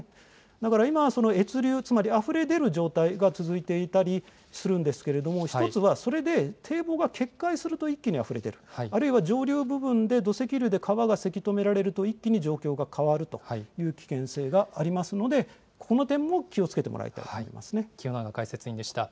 だから今は越流、つまりあふれ出る状態が続いていたりするんですけど、１つはそれで堤防が決壊すると一気にあふれ出る、あるいは上流部分で土石流で川がせき止められると、一気に状況が変わるという危険性がありますので、この点も気をつけてもらいたいと思い清永解説委員でした。